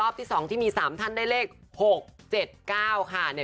รอบที่สองที่มีสามท่านได้เลข๖๗๙ค่ะ